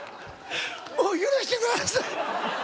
もう許してください。